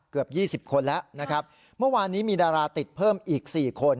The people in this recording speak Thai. เกือบ๒๐คนแล้วเมื่อวานนี้มีดาราติดเพิ่มอีก๔คน